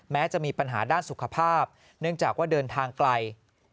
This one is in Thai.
จะมีปัญหาด้านสุขภาพเนื่องจากว่าเดินทางไกล